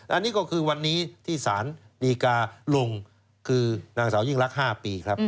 อันนี้ก็คือวันนี้ที่สารดีกาลงคือนางสาวยิ่งรัก๕ปีครับ